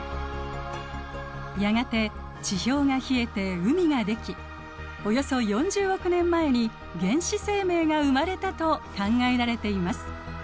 やがて地表が冷えて海ができおよそ４０億年前に原始生命が生まれたと考えられています。